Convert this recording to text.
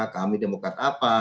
kami demokrat apa